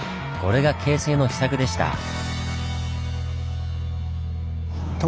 これが京成の秘策でした。